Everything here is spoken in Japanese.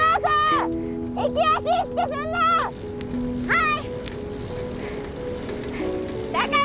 はい！